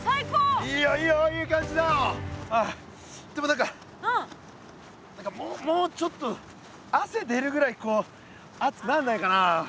何かもうちょっと汗出るぐらい熱くなんないかな。